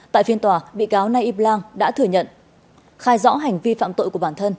tại phiên tòa bị cáo naip lang đã thừa nhận khai rõ hành vi phạm tội của bản thân